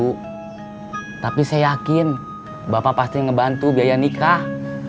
bapak gak setuju tapi saya yakin bapak pasti ngebantu biaya nikah